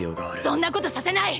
そんなことさせない！！